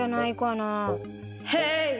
ヘイ！